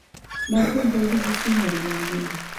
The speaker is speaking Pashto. ډاکټر د ورځې څو مريضان ګوري؟